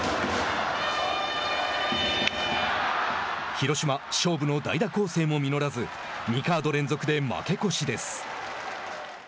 広島、勝負の代打攻勢も実らず２カード連続で負け越しです。